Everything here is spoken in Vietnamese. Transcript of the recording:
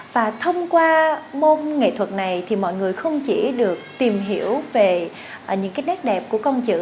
và thông qua môn nghệ thuật này thì mọi người không chỉ được tìm hiểu về những cái nét đẹp của con chữ